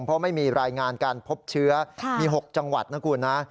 เพราะไม่มีรายงานการพบเชื้อมี๖จังหวัดนะคุณนะ